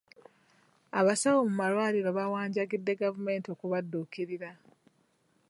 Abasawo mu malwaliro bawanjagidde gavumenti okubadduukirira.